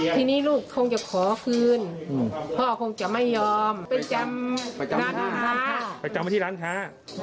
ทีนี้ลูกคงจะขอคืนอืมพ่อคงจะไม่ยอมไปจำร้านข้าไปจำไปที่ร้านข้า